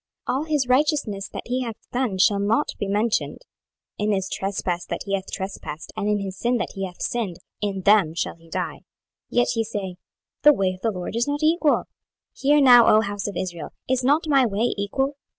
All his righteousness that he hath done shall not be mentioned: in his trespass that he hath trespassed, and in his sin that he hath sinned, in them shall he die. 26:018:025 Yet ye say, The way of the LORD is not equal. Hear now, O house of Israel; Is not my way equal?